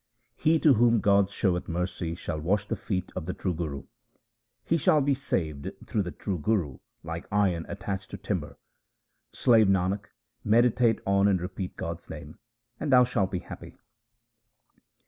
He to whom God showeth mercy shall wash the feet of the true Guru ; He shall be saved through the true Guru like iron attached to timber. Slave Nanak, meditate on and repeat God's name and thou shalt be happy.